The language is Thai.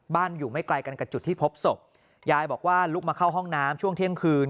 อยู่ไม่ไกลกันกับจุดที่พบศพยายบอกว่าลุกมาเข้าห้องน้ำช่วงเที่ยงคืน